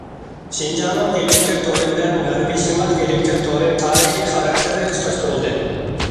شىنجاڭنىڭ ئېلېكتىر تورى بىلەن غەربىي شىمال ئېلېكتىر تورى تارىخىي خاراكتېرلىك تۇتاشتۇرۇلدى.